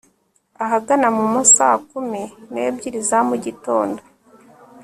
Ahagana mu ma saa kumi nebyiri za mu gitondo